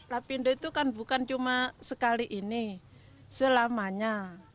lapindo itu kan bukan cuma sekali ini selamanya